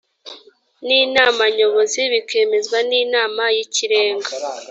n inama nyobozi bikemezwa n inama y ikirenga